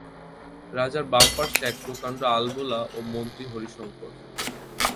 রাজার বাম পার্শ্বে এক প্রকাণ্ড আলবোলা ও মন্ত্রী হরিশংকর।